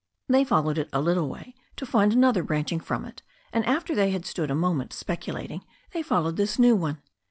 They followed it a little way to find another branching from it, and after they had stood a mo ment speculating they followed this new one.